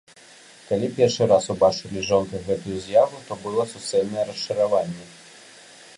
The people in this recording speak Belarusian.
Калі першы раз убачылі з жонкай гэтую з'яву, то было суцэльнае расчараванне.